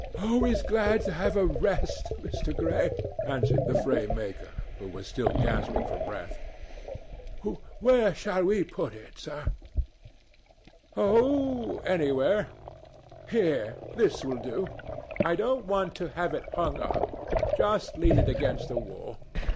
"Always glad to have a rest, Mr. Gray," answered the frame maker, who was still gasping for breath. "Where shall we put it, sir?" "Oh, anywhere. Here: this will do. I don't want to have it hung up. Just lean it against the wall.